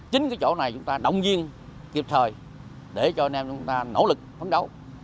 chính cái chỗ này chúng ta động viên kịp thời để cho anh em chúng ta nỗ lực phấn đấu